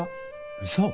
うそ。